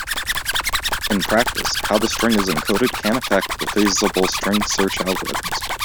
In practice, how the string is encoded can affect the feasible string search algorithms.